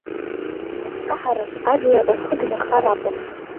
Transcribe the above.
Агәкаҳарахь ажәлар рхы дмырхар акәын.